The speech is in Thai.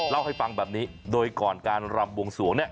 เล่าให้ฟังแบบนี้โดยก่อนการรำบวงสวงเนี่ย